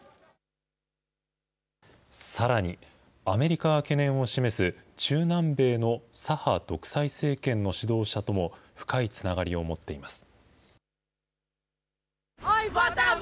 さらに、アメリカが懸念を示す中南米の左派独裁政権の指導者とも深いつながりを持っています。